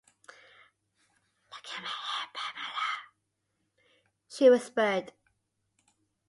“Look at my hair, Pamela,” she whispered.